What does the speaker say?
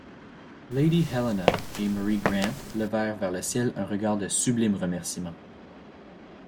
Lady Helena et Mary Grant levèrent vers le Ciel un regard de sublime remerciement.